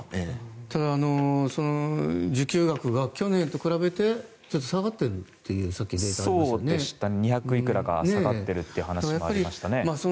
ただ、受給額が去年と比べて下がってるって２００いくらか下がっているという話がありましたね。